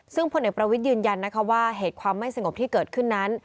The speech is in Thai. ซึ่งพลเอกประวิทย์ยืนยันนะคะว่าเหตุความไม่สงบที่เกิดขึ้นนั้น